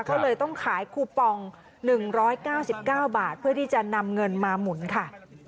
ก็เลยต้องขายคูปอง๑๙๙บาทเพื่อที่จะนำเงินมาหมุนค่ะ